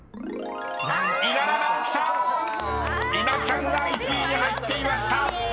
［稲ちゃんが１位に入っていました！］